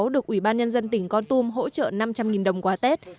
được ủy ban nhân dân tỉnh con tùm hỗ trợ năm trăm linh đồng qua tết